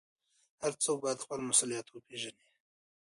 هر څوک باید خپل مسوولیت وپېژني.